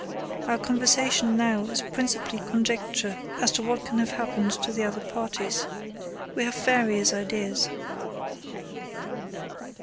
Our conversation now is principally conjecture as to what can have happened to the other parties. We have various ideas."